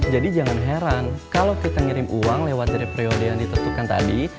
jadi jangan heran kalau kita mengirim uang lewat dari periode yang ditentukan tadi